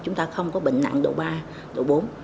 chúng ta không có bệnh nặng độ ba độ bốn